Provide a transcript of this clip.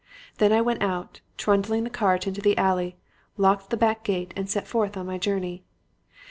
Then I went out and, trundling the cart into the alley, locked the back gate and set forth on my journey.